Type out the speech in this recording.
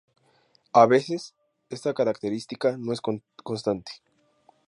A veces esta característica no es constante.